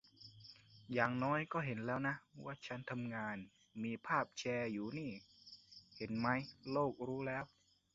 อย่างน้อยก็เห็นแล้วนะ ว่าฉันทำงาน มีภาพแชร์อยู่นี่ เห็นไหม โลกรู้แล้ว